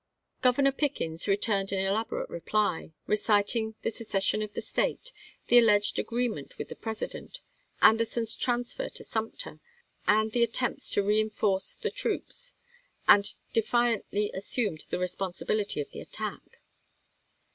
Governor Pick ens returned an elaborate reply, reciting the seces sion of the State, the alleged agreement with the President, Anderson's transfer to Sumter, and the attempts to reenforce the troops, and defi antly assumed the responsibility of the attack.